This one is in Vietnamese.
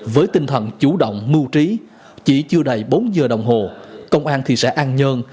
với tinh thần chủ động mưu trí chỉ chưa đầy bốn giờ đồng hồ công an thị xã an nhơn